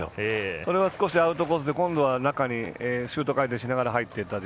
それが少しアウトコースで今度は中にシュート回転しながら入っていった。